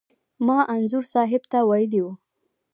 ما انځور صاحب ته ویلي و.